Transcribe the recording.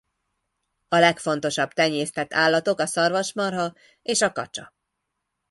A legfontosabb tenyésztett állatok a szarvasmarha és a kacsa.